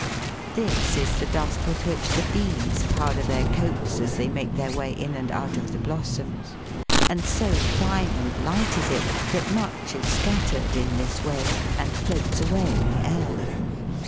This is the dust with which the bees powder their coats as they make their way in and out of the blossoms ; and so fine and light is it that much is scattered in this way, and floats away in the air.